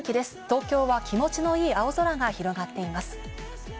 東京は気持ちの良い青空が広がっています。